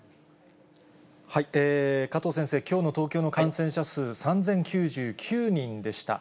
加藤先生、きょうの東京の感染者数３０９９人でした。